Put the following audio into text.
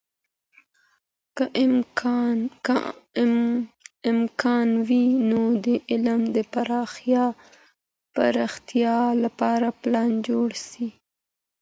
که امکان وي، نو د علم د پراختیا لپاره پلان جوړ سي.